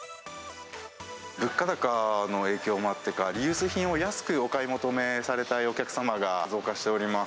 物価高の影響もあってか、リユース品を安くお買い求めされたいお客様が増加しております。